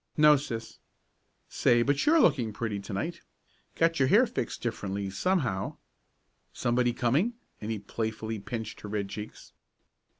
"No, sis. Say, but you're looking pretty to night! Got your hair fixed differently, somehow. Somebody coming?" and playfully he pinched her red cheeks.